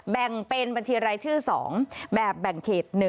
แบ่งเป็นบัญชีรายชื่อ๒แบบแบ่งเขต๑